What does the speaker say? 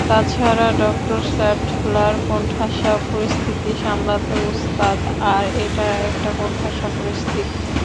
তাছাড়া ডঃ স্যাটলার কোনঠাসা পরিস্থিতি সামলাতে ওস্তাদ, আর এটা একটা কোনঠাসা পরিস্থিতি।